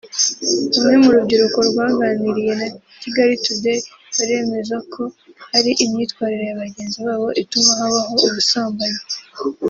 Bamwe mu rubyiruko rwaganiriye na Kigali Today baremeza ko hari imyitwarire ya bagenzi babo ituma habaho ubusambanyi